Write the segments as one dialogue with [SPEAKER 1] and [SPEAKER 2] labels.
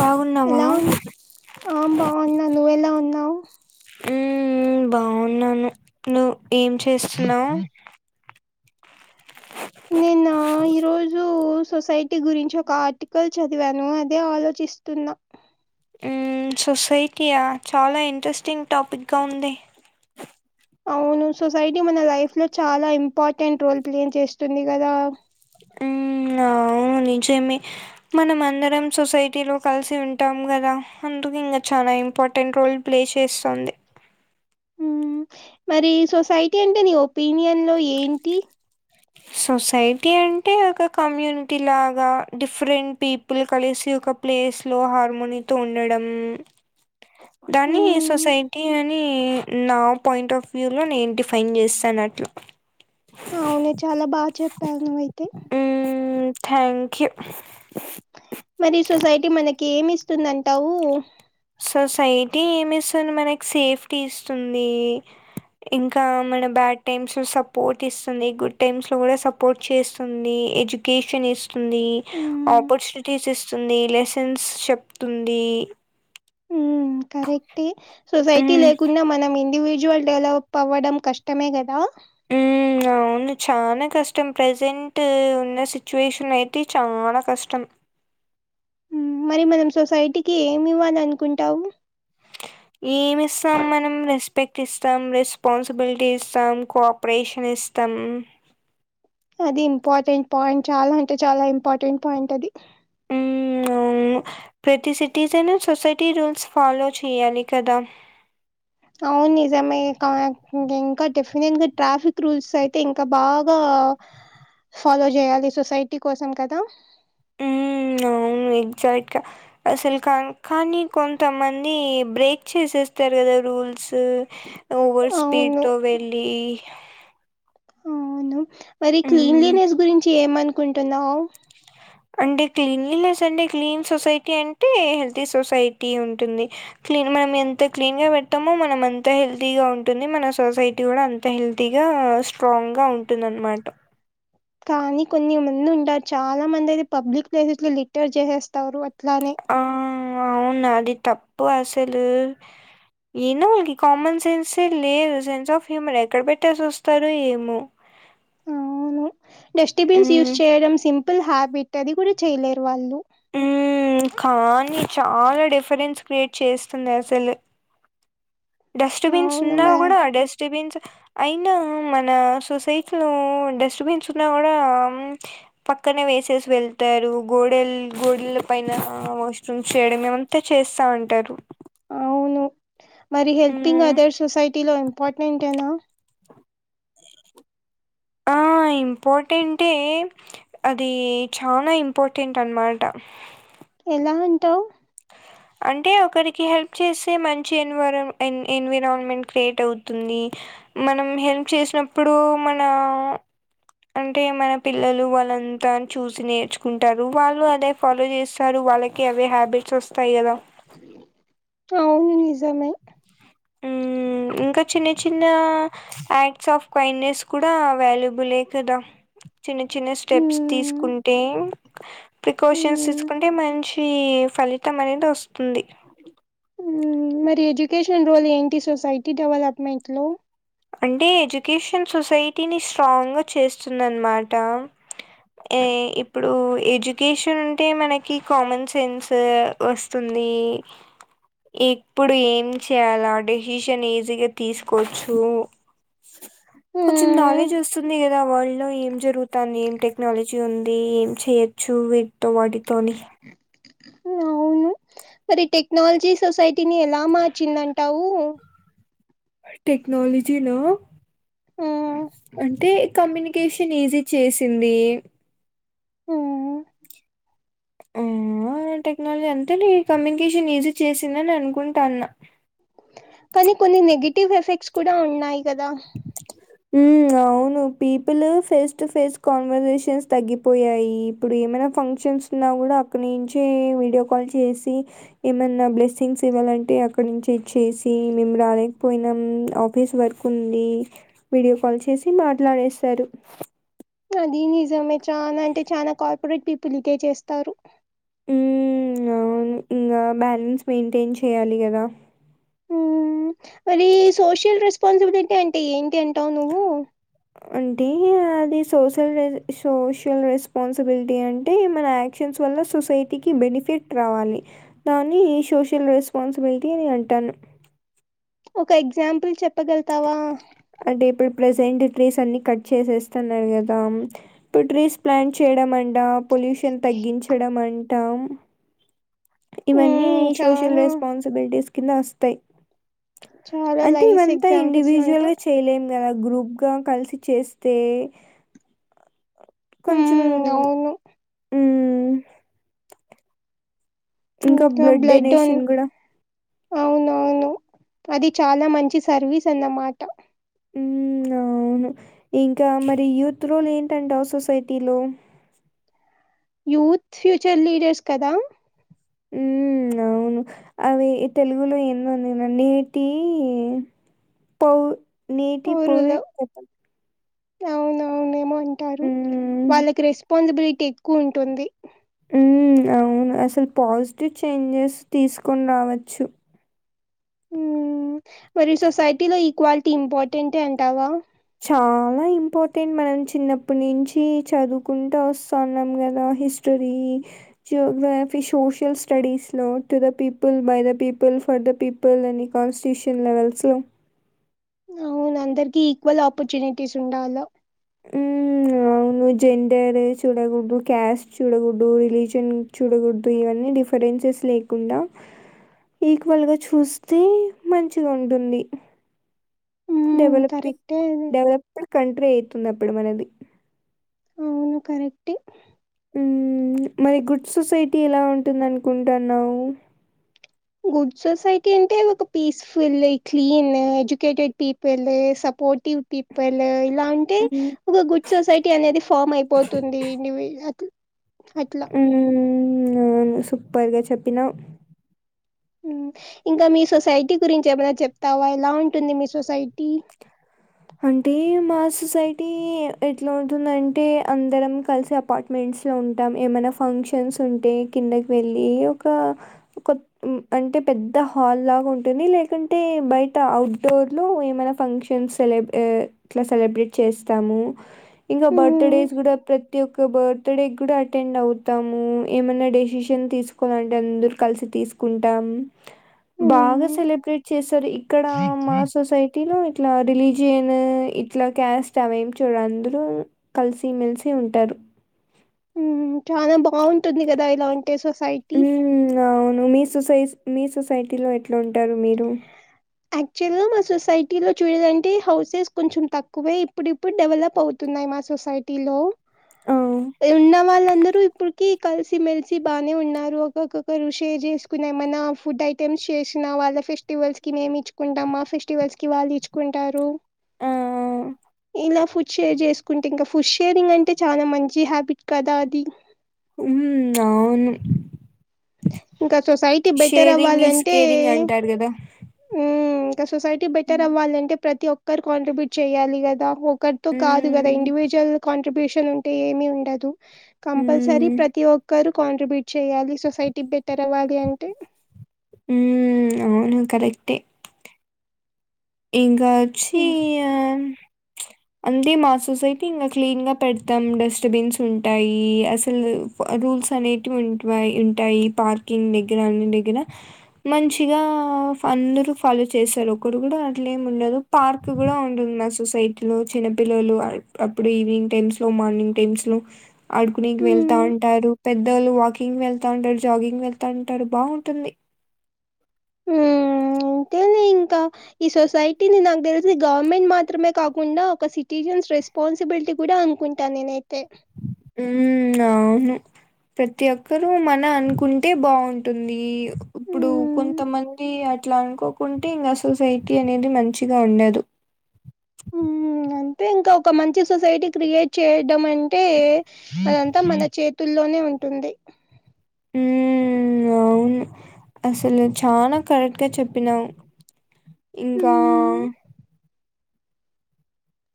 [SPEAKER 1] బాగున్నావా
[SPEAKER 2] ఎలా ఆ బాగున్నా నువ్వెలా ఉన్నావ్
[SPEAKER 1] ఉమ్ బాగున్నాను నువ్ ఏం చేస్తున్నావ్
[SPEAKER 2] నేనా ఈరోజు సొసైటీ గురించి ఒక ఆర్టికల్ చదివాను అదే ఆలోచిస్తున్నా
[SPEAKER 1] ఉమ్ సొసైటీయా చాలా ఇంట్రెస్టింగ్ టాపిక్ గా ఉంది
[SPEAKER 2] అవును సొసైటీ మన లైఫ్ లో చాలా ఇంపార్టెంట్ రోల్ ప్లే చేస్తుంది కదా [inaudible]
[SPEAKER 1] నిజేమే మనం అందరం సొసైటీ లో కలిసి ఉంటాం కదా అందుకు ఇంకా చాల ఇమ్ ఇంపార్టెంట్ రోల్ ప్లే చేస్తుంది
[SPEAKER 2] ఉ మరి సొసైటీ అంటే నీ ఒపీనియన్ లో ఏంటి
[SPEAKER 1] సొసైటీ అంటే ఒక కమ్యూనిటీ లాగా డిఫరెంట్ పీపుల్ కలిసి ఒక క ప్లేస్ లో హార్మోని తో ఉండడం దాని
[SPEAKER 2] మ్మ్
[SPEAKER 1] సొసైటీ అని ఈ నా పాయింట్ ఆఫ్ వ్యూ లో నేను డిఫైన్ చేస్తాను అట్లా
[SPEAKER 2] అవును చాలా బా చెప్పవు నువవైతే
[SPEAKER 1] ఉ థ్యాంక్ యూ
[SPEAKER 2] మరి సొసైటీ మనకి ఏమి ఇస్తుంది అంటావు
[SPEAKER 1] సొసైటీ ఏమి ఇస్తుంది మనకి సేఫ్టీ ఇస్తుంది ఇంకా మన బ్యాడ్ టైమ్స్ లో సపోర్ట్ ఇస్తుంది గుడ్ టైమ్స్ లో కూడా సపోర్ట్ చేస్తుంది ఎజుకేషన్ ఇస్ తుంది
[SPEAKER 2] మ్మ్
[SPEAKER 1] ఆపర్చునిటీస్ ఇస్తుంది లెసన్స్ చెప్తుంది
[SPEAKER 2] ఉ కరెక్టే సొసైటీ
[SPEAKER 1] మ్మ్.
[SPEAKER 2] లేకుండా మనం ఇండివిజూ జువల్ డెవలప్ అవ్వడం కష్టమే కదా
[SPEAKER 1] ఉ అవును చానా కష్టం ప్రెసెంట్ ఉన్న సిచ్యువేషన్ అయితే చానా కష్టం
[SPEAKER 2] ఉ మరి మనం సొసైటీకి ఏమి ఇవ్వని అనుకుంటాము
[SPEAKER 1] ఏమి ఇస్తాం మనం రెస్పెక్ట్ ఇస్తాం రెస్పాన్సిబిలిటీ ఇస్తాం కోఆపరేషన్ ఇస్ తమ్
[SPEAKER 2] అది ఇంపార్టెంట్ పాయింట్ చాలా అంటే చాలా ఇంపార్టెంట్ పాయింట్ అది
[SPEAKER 1] ఉ ప్రతి సిటిజన్ సొసైటీ రూల్స్ ఫాలో చేయాలి కదా
[SPEAKER 2] అవును నిజమే క ఇంకా డెఫినెట్ గా ట్రాఫిక్ రూల్స్ అయితే ఇంకా బాగా గ ఫాలో చేయాలి సొసైటీ కోసం కదా
[SPEAKER 1] మ్మ్ అవును ఎగజాక్ట్ గ అసలు క కానీ కొంతమంది బ్రేక్ చేసేస్తారు రధ రూల్స్ ఓవర్
[SPEAKER 2] అవును
[SPEAKER 1] స్పీడ్తో వెళ్ళి
[SPEAKER 2] అవును మరి
[SPEAKER 1] మ్మ్
[SPEAKER 2] క్లీన్లీనెస్ గురించి ఏమనుకుంటున్నావు
[SPEAKER 1] అంటే క్లీన్లస్ అంటే క్లీన్ సొసైటీ అంటే హెల్తీ సొసైటీ ఉంటుంది క్లీన్ మనం ఎంత క్లీన్ గా పెడతామో మనం అంత హెల్తీగా ఉంటుంది మన సొసైటీ కూడా అంత హెల్తీగా గ స్ట్రాంగ్ గా ఉంటుంది అనమాట
[SPEAKER 2] కానీ కొన్ని మంది ఉంటారు చాలా మంది అయితే పబ్లిక్ ప్లేసెస్ లో లిటరర్ చేసేస్తారు అట్లానే
[SPEAKER 1] ఆ అవును అది తప్పు అసలు ఏనో వాళ్ళకి కామన్ సెన్స లేదు సెన్స్ ఆఫ్ హ్యూమర్ ఎక్కడ పెట్టేసి వస్తారు ఏమో
[SPEAKER 2] అవును డస్ట్బిన్స్ యూస్
[SPEAKER 1] ఉమ్
[SPEAKER 2] చేయడం సింపుల్ హ్యాబిట్ అది కూడా చేయలేరు వాళ్ళు
[SPEAKER 1] ఉ కానీ చాలా డిఫరెన్స్ క్రియేట్ చేస్తుంది అసలు డస్ట్బిన్
[SPEAKER 2] అవును
[SPEAKER 1] ఉన్నా
[SPEAKER 2] మ-
[SPEAKER 1] కూడా డస్ట్బిన్స్ అయినా మన సొసైటీ లో డస్ట్బిన్స్ ఉన్నా కూడా ప పక్కనే వేసేసి వెళ్తారు గోడెలు గోడెల పైన వష్రూమ్ చేయడం ఏమంతా చేస్తా అంటారు
[SPEAKER 2] అవును మరి హెల్పింగ్
[SPEAKER 1] ఉమ్
[SPEAKER 2] అదర్ సొసైటీలో ఇంపార్టెంటేనా
[SPEAKER 1] ఆ ఇంపార్టెంటే అది చాలా ఇంపార్టెంట్ అనమాట
[SPEAKER 2] ఎలా అంటావు
[SPEAKER 1] అంటే ఒకరికి హెల్ప్ చేసే మంచి ఎన్వరా ఎ ఎన్విరాన్మెంట్ క్రియేట్ అవుతుంది మనం హెల్ప్ చేసినప్పుడు మన అంటే మన పిల్లలు వాళ్ళంతా చూసి నేర్చుకుంటారు, వాళ్ళు అదే ఫాలో చేస్తారు వాళ్ళకి అవే హ్యాబిట్స్ వస్తాయి కదా
[SPEAKER 2] అవును నిజామే
[SPEAKER 1] మ్మ్, ఇంకా చిన్న చిన్న యాక్ట్స్ ఆఫ్ కైండ్నెస్ కూడా వాల్యుబులే కదా చిన్న చిన్న స్టెప్స్
[SPEAKER 2] మ్మ్
[SPEAKER 1] తీసుకుంటే ప్రికాషన్స్
[SPEAKER 2] మ్మ్
[SPEAKER 1] తీసుకుంటే మంచి ఫలితం అనేది వస్తుంది.
[SPEAKER 2] హ్మ్ మరి ఎడ్యుకేషన్ రోల్ ఏంటి సొసైటీ డెవలప్మెంట్ లో
[SPEAKER 1] అంటే ఎడ్యుకేషన్ సొసైటీని స్ట్రాంగ్ గా చేస్తుందనమాట అ ఇప్పుడు ఎడ్యుకేషన్ ఉంటే మనకి కామన్ సెన్స్ వస్తుంది ది ఇప్పుడు ఏం చేయాలి డెసిషన్ ఈజీగా తీసుకోవచ్చు ఉ కొంచెం
[SPEAKER 2] మ్మ్
[SPEAKER 1] నాలెడ్జ్ వస్తుంది కదా వాళ్ళ లో ఏం జరుగుతాంది ఏం టెక్నాలజీ ఉంది ఏం చేయొచ్చు వీటితో వాటితో అని
[SPEAKER 2] అవును మరి టెక్నాలజీ సొసైటీని ఎలా మార్చిందంటావు
[SPEAKER 1] టెక్నాలజీలో
[SPEAKER 2] మ్మ్
[SPEAKER 1] అంటే కమ్యూనికేషన్ ఈజీ చేసింది.
[SPEAKER 2] మ్మ్
[SPEAKER 1] ఆ టెక్నాలజీ అంటేనే కమ్యూనికేషన్ ఈజీ చేసిందని అనుకుంటాన్న
[SPEAKER 2] కానీ కొన్ని నెగిటివ్ ఎఫెక్ట్స్ కూడా ఉన్నాయి కదా
[SPEAKER 1] హ్మ్ అవును people face to face conversations తగ్గిపోయాయి ఇప్పుడు ఏమనా ఫంక్షన్స్ ఉన్న కూడా అక్కడి నుంచి వీడియో కాల్ చేసి ఏమన్నా బ్లెస్సింగ్స్ ఇవ్వాలంటే టే అక్కడ నుంచి ఇచ్చేసి మేము రాలేకపోయినాం ఆఫీస్ వర్క్ ఉంది వీడియో కాల్ చేసి మాట్లాడేస్తారు
[SPEAKER 2] అది నిజమే చనా అంటే చనా కార్పొరేట్ పీపుల్కే చేస్తారు
[SPEAKER 1] హ్మ్ అవును ఇంగా బ్యాలెన్స్ మెయింటైన్ చేయాలి కదా
[SPEAKER 2] హ్మ్ మరి సోషల్ రెస్పాన్సిబిలిటీ అంటే ఏంటి అంటావు నువ్వు
[SPEAKER 1] అంటే అది సోసల్ సోషల్ రెస్పాన్సిబిలిటీ అంటే మన ఎక్షన్స్ వల్ల సొసైటీకి బెనిఫిట్ రావాలి దాన్ని సోషల్ రెస్పాన్సిబిలిటీ అని అంటాను
[SPEAKER 2] ఒక ఎగ్జాంపుల్ చెప్
[SPEAKER 1] అంటే ఇప్పుడు ప్రెజెంట్ ట్రీస్ అన్ని కట్ చేసేస్తున్నారు కదా ఇప్పుడు ట్రీస్ ప్లాంట్ చేయడం అం టం పొల్యూషన్ తగ్గించడం అంటాం ఇవన్నీ
[SPEAKER 2] మ్మ్
[SPEAKER 1] సోషల్
[SPEAKER 2] చానా
[SPEAKER 1] రెస్పాన్సిబిలిటీస్ కింద వస్తాయి.
[SPEAKER 2] చాలా
[SPEAKER 1] అంటే
[SPEAKER 2] లైస్
[SPEAKER 1] ఇవంతా
[SPEAKER 2] ఎగ్జాంపుల్స్
[SPEAKER 1] ఇండివిజువల్
[SPEAKER 2] ఇవంతా
[SPEAKER 1] గా చేయలేము కదా గ్రూప్ గా కలిసి చేస్తే కొంచం
[SPEAKER 2] మ్మ్ అవును
[SPEAKER 1] ఇంకా బ్లడ్ డొనేషన్ కూడా
[SPEAKER 2] అవునవును అది చాలా మంచి సర్వీస్ అన్నమాట
[SPEAKER 1] మ్ అవ్ అవును ఇంకా మరి యూత్ రోల్ ఏంటంటవ్ సొసైటీలో
[SPEAKER 2] యూత్ ఫ్యూచర్ లీడర్స్ కదా
[SPEAKER 1] హ్మ్. అవును అవి తెలుగులో ఎన్నో అనిటి పోవు నేటి పోయి పోతాం
[SPEAKER 2] అవునవున ఏమో అంటారు
[SPEAKER 1] హ్మ్.
[SPEAKER 2] వాళ్ళకి రెస్పాన్సిబిలిటీ ఎక్కువ ఉంటుంది
[SPEAKER 1] మ్ అవును అసలు పాజిటివ్ చేంజెస్ తీసుకోని రావచ్చు
[SPEAKER 2] మ్ మరి సొసైటీలో ఈక్వాలిటీ ఇంపార్టెంటే అంటావా
[SPEAKER 1] చాలా ఇంపార్టెంట్ మనం చిన్నప్పటి నుంచి చదువుకుంట వస్తన్నాం కదా హిస్టరీ జియేగ్రాఫీ సోషల్ స్టడీస్ లో to the people by the people for the people అన్ కాన్స్టిట్యూషన్ లెవెల్స్ లో
[SPEAKER 2] [inaudible] అవును అందరికి ఈక్వల్ ఆపర్చునిటీస్ ఉండాల
[SPEAKER 1] హ్మ్. అవును. జెండర్ చూడకూడదు క్యాస్ట్ చూడకూడదు రిలీజన్ చూడకూడదు ఇవన్నీ డిఫరెన్స్ స్ లేకుండా ఈక్వల్గా చూస్తే మంచిగా ఉంటుంది
[SPEAKER 2] మ్మ్
[SPEAKER 1] డెవలపింగ్
[SPEAKER 2] కరెక్టే
[SPEAKER 1] డెవలప్డ్ కంట్రీ అయితుంది అప్పుడు మనది
[SPEAKER 2] అవును కరక్టే
[SPEAKER 1] హూ మ్ మరి గుడ్ సొసైటీ ఎలా ఉంటుంది అనుకుంటున్నావ్
[SPEAKER 2] గుడ్ సొసైటీ అంటే ఒక peacefully clean educated people supportive people ఇలా అంటే
[SPEAKER 1] హ్మ్.
[SPEAKER 2] ఒక గుడ్ సొసైటీ అనేది ఫామ్ అయిపోతుంది ఇండివిజ్యూవల్ అట్లా
[SPEAKER 1] హ్మ్. అవును సూపర్గా చెప్పినవ్
[SPEAKER 2] మ్ ఇంకా మీ సొసైటీ గురించి ఏమైనా చెప్తావా ఎలా ఉంటుంది మీ సొసైటీ
[SPEAKER 1] అంటే మా సొసైటీ ఎట్లా ఉంటుందంటే అందరం కలిసి అపార్ట్మెంట్ లో ఉంటాం ఏమన్న ఫంక్షన్స్ ఉంటే కిందకి వెళ్ళి ఒక ఒక మ్ అం టే పెద్ద హాల్ లాగా ఉంటుంది లేకుంటే బయట అవుట్డోర్ లో ఏమైనా ఫంక్షన్స్ సెల గ్ ఇట్లా సెలబ్రేట్ చేస్తాము ఇంకా
[SPEAKER 2] ఉమ్,
[SPEAKER 1] బర్తడేస్ కూడా ప్రత్ ప్రతి ఒక్క బర్త్ డే కూడా అటెండ్ అవుతాము ఏమైన్నా డెసిషన్ తీసుకోవాలంటే అందరూ కలిసి తీసుకుంటాం బాగా
[SPEAKER 2] ఉమ్,
[SPEAKER 1] సెలబ్రేట్ చేశారు ఇక్కడ మా సొసైటీ లో ఇట్లా రిలీజ్ జియన్ ఇట్లా క్యాస్ట్ అవేం చూడరు అందరూ కలిసిమెలిసి ఉంటారు
[SPEAKER 2] మ్ చాన బాగుంటుంది కదా ఇలా ఉంటే సొసైటీ
[SPEAKER 1] ఉమ్ అవును మీ సొసైస్ మీ సొసైటీలో ఎట్లుంటారు మీరు
[SPEAKER 2] యాక్చువల్ గా మా సొసైటీ లో చూడాలంటే హౌసెస్ కొంచెం తక్కువే ఇప్పుడిప్పుడు డెవలప్ అవుతున్నా న్నాయి మా సొసైటీ లో
[SPEAKER 1] ఆ
[SPEAKER 2] ఉన్న వాళ్లందరూ ఇప్పుడు కి కలిసి మెలిసి బానే ఉన్నారు ఒక్కొక్కొక్కరు షేర్ చేసుకుని ఏమన్నా ఫుడ్ ఐటెమ్స్ చేసినా వాళ్ళ ఫెస్టివల్స్ కి మేము ఇచ్చుకుంటాం మా ఫెస్టివల్స్కి వాళ్ళు ఇచ్చుకుంటారు
[SPEAKER 1] ఆ
[SPEAKER 2] ఇలా ఫుడ్ షేర్ చేసుకుంటే ఇంకా ఫుడ్ షేరింగ్ అంటే చాలా మంచి హ్యాబిట్ కదా అది
[SPEAKER 1] మ్ అవును
[SPEAKER 2] ఇంక సొసైటీ బెటర్
[SPEAKER 1] షేరింగ్ ఈజ్
[SPEAKER 2] అవ్వాలంటే
[SPEAKER 1] కేరింగ్ అంటారు కదా
[SPEAKER 2] మ్ ఇంకా సొసైటీ బెటర్
[SPEAKER 1] ఉమ్
[SPEAKER 2] అవ్వాలంటే ప్రతి ఒక్కరు కాంట్రిబ్యూట్ చేయాలి కదా ఒ ఒకరితో కాదు కదా ఇండివిజ్వల్ కాంట్రిబ్యూషన్ ఉంటే ఏమి ఉండదు కంపల్సరీ
[SPEAKER 1] ఉమ్
[SPEAKER 2] ప్రతి ఒక్కరు కాంట్రిబ్యూట్ చేయాలి సొసై టీ బెటర్ అవ్వాలి అంటే
[SPEAKER 1] ఉమ్ అవును కరెక్టే ఇంకాచ్చి
[SPEAKER 2] మ్మ్
[SPEAKER 1] అంతే మా సొసైటీ ఇంకా క్లీన్ గా పెడతాం డస్ట్బిన్స్ ఉంటాయి అసలు రూ రూల్స్ అనేటివి ఉంట్వాయి ఉంటాయి పార్కింగ్ దగ్గర అన్నిటి దగ్గర మంచిగా అందరూ ఫలు చేశారు ఒకరు కూడా అట్లా ఏం ఉండదు పార్క్ కూడా ఉంటుంది మా సొసైటీ లో చిన్నపిల్లలు అప్పుడప్పుడు ఈవినింగ్ టైమ్స్ లో మార్నింగ్ టైమ్స్ లో ఆడుకునికి వెళ్తా
[SPEAKER 2] హ్మ్
[SPEAKER 1] ఉంటారు పెద్దోళ్ళు వాకింగ్ కింగ్ వెళ్తా ఉంటారు జాగింగ్ వెళ్తా ఉంటారు బాగుంటుంది
[SPEAKER 2] ఉహూ ఉంటది ఇంకా ఈ సొసైటీని నాకు తెలిసి గవర్నమెంట్ మాత్రమే కాకుండా ఒక సిటిజన్ రెస్పాన్సిబుల్ లిటి కూడా అనుకుంటాను నేనైతే
[SPEAKER 1] ఉమ్ అవును ప్రతి ఒక్కరు మన అనుకుంటే బాగుంటుంది ఇప్పుడు
[SPEAKER 2] హ్మ్
[SPEAKER 1] కొంతమంది అ అట్లా అనుకోకుంటే ఇంకా సొసైటీ అనేది మంచిగా ఉండదు
[SPEAKER 2] ఉమ్ అంతే ఇంకా ఒక మంచి సొసైటీ క్రియేట్ చేయడం అంటే ఆ ంత మన చేతుల్లోనే ఉంటుంది
[SPEAKER 1] ఉమ్ అవు ను అసలు చానా కరెక్ట్ గా చెప్పినావ్ ఇంకా
[SPEAKER 2] హ్మ్.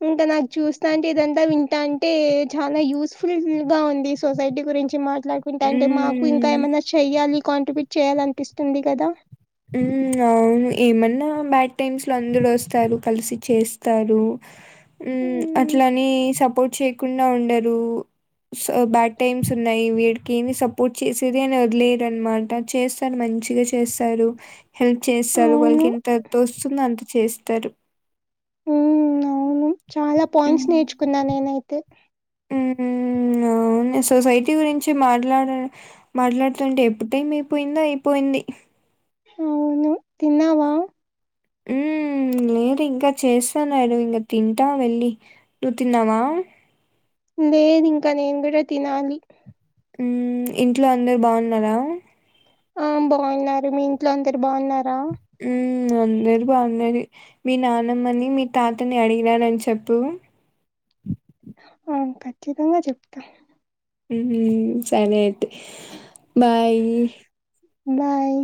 [SPEAKER 2] ఇంకా నాకు చూస్తా అంటే ఇదంతా వింటా అంటే చాలా యూస్ఫుల్ గా ఉంది సొసైటీ గురించి మా మాట్లాడుకుంటే అంటే మాకు ఇంకా
[SPEAKER 1] ఉమ్
[SPEAKER 2] ఏమైనా చెయ్యాలి కాంట్రిబ్యూట్ చెయాలి అనిపిస్తుంది కదా
[SPEAKER 1] ఉమ్ అవును ఏమన్నా బ్యాడ్ టైమ్స్ లో అందరుూ వస్తారు కలిసి చేస్తారు ఉమ్
[SPEAKER 2] హ్మ్.
[SPEAKER 1] అట్లని సపోర్ట్ చేయకుండా ఉండరు సో బ్యాడ్ టైమ్స్ ఉన్నాయి వీడికి ఏ సపోర్ట్ చేసేది అని వదిలేదు అనమాట చేస్తారు మం మంచిగా చేస్తారు హెల్ప్ చేస్తారు వాళ్ళకి
[SPEAKER 2] అవును
[SPEAKER 1] ఎంత తోస్తుందో అంత చేస్తారు
[SPEAKER 2] హ్మ్ అవును చాలా పాయింట్స్
[SPEAKER 1] మ్మ్.
[SPEAKER 2] నేర్చుకున్నా నేనైతే
[SPEAKER 1] మ్మ్. అవును సొసైటీ గురించి మాట్లాడ మాట్లాడుతుంటే ఎప్పుడు టైం అయిపోయిందో అయిపోయింది
[SPEAKER 2] అవును తిన్నావా
[SPEAKER 1] ఉమ్ లేదు ఇంకా చేస్తాన్నాడు ఇంకా తింటా వెళ్ళి నువ్వు తిన్నావా
[SPEAKER 2] లేదు ఇంకా నేను కూడా తినాలి
[SPEAKER 1] ఉమ్ ఇంట్లో అందరు బాగున్నారా
[SPEAKER 2] ఆ బాగున్నారు మీ ఇంట్లో అందరు బాగున్నారా
[SPEAKER 1] ఉమ్ అందరు బాగున్నారు మీ నానమ్మని మీ తాతని అడిగిననని చెప్పు
[SPEAKER 2] ఆ ఖచ్చితంగా చెప్తా
[SPEAKER 1] ఉమ్ సరే అయితే బాయ్
[SPEAKER 2] బాయ్